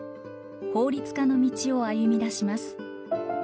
法律家の道を歩み出します。